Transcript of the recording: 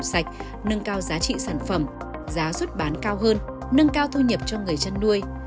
các sản phẩm sạch nâng cao giá trị sản phẩm giá xuất bán cao hơn nâng cao thu nhập cho người chăn nuôi